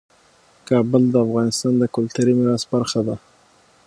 کابل د افغانستان د کلتوري میراث برخه ده.